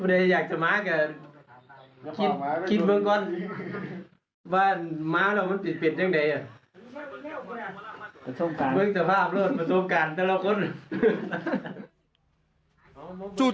เพราะสภาพและประสบการณ์ทุกคน